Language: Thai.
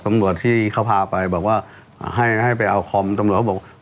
ตรงกว่าที่เขาพาไปบอกว่าให้ให้ไปเอาคอมตรงกว่าเขาบอก